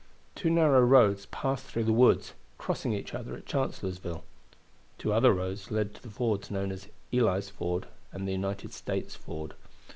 Two narrow roads passed through the woods, crossing each other at Chancellorsville; two other roads led to the fords known as Ely's Ford and the United States Ford.